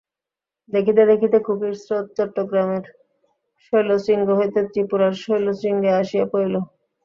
দেখিতে দেখিতে কুকির স্রোত চট্টগ্রামের শৈলশৃঙ্গ হইতে ত্রিপুরার শৈলশৃঙ্গে আসিয়া পড়িল।